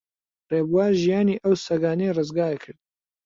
ڕێبوار ژیانی ئەو سەگانەی ڕزگار کرد.